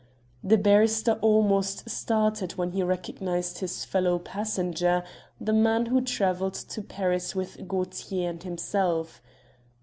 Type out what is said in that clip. The barrister almost started when he recognized his fellow passenger, the man who travelled to Paris with Gaultier and himself.